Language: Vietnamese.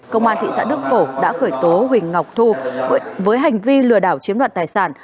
công an thị xã đức phổ đã khởi tố huỳnh ngọc thu với hành vi lừa đảo chiếm đoạt tài sản